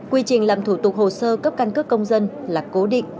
quy trình làm thủ tục hồ sơ cấp căn cước công dân là cố định